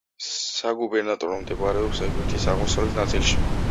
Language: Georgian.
საგუბერნატორო მდებარეობს ეგვიპტის აღმოსავლეთ ნაწილში.